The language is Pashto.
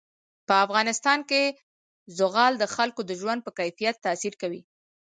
په افغانستان کې زغال د خلکو د ژوند په کیفیت تاثیر کوي.